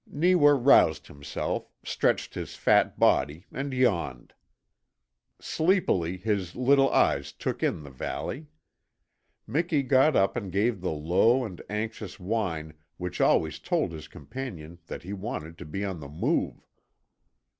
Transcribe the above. Neewa roused himself, stretched his fat body, and yawned. Sleepily his little eyes took in the valley. Miki got up and gave the low and anxious whine which always told his companion that he wanted to be on the move.